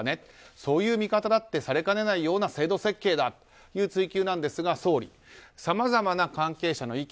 そういう見方だってされかねないような制度設計だという追及ですが総理、さまざまな関係者の意見